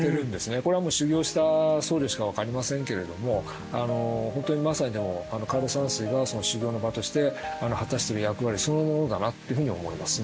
これはもう修行した僧侶しか分かりませんけれども本当にまさに枯山水が修行の場として果たしてる役割そのものだなってふうに思いますね。